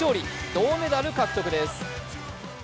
銅メダル獲得です。